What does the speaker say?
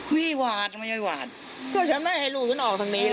คิดไหมคะว่าเป็นเพราะอะไร